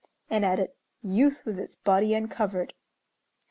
and added, "Youth with its body uncovered."